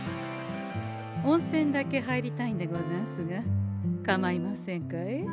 温泉だけ入りたいんでござんすがかまいませんかえ？